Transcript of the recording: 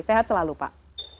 sehat selalu pak